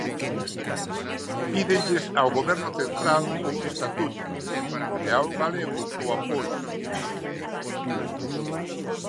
Pídenlles ao Goberno central, o estatuto; e ao galego, o apoio.